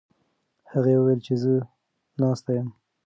هغې وویل چې زه ناسته یم.